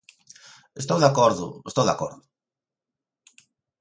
Estou de acordo, estou de acordo.